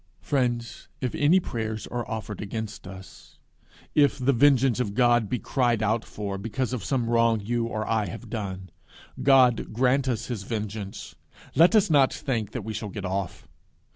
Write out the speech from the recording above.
Friends, if any prayers are offered against us; if the vengeance of God be cried out for, because of some wrong you or I have done, God grant us his vengeance! Let us not think that we shall get off!